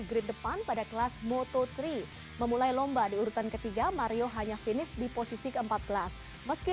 grid depan pada kelas moto tiga memulai lomba diurutan ketiga mario hanya finish di posisi ke empat belas meski